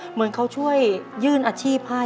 เหมือนเขาช่วยยื่นอาชีพให้